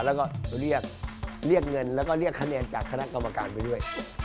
แล้วก็เรียกเงินแล้วก็เรียกคะแนนจากคณะกรรมการไปด้วย